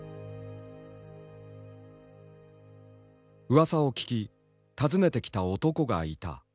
うわさを聞き訪ねてきた男がいた。